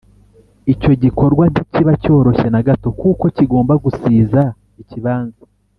icyo gikorwa ntikiba cyoroshye na gato kuko kigomba gusiza ikibanza,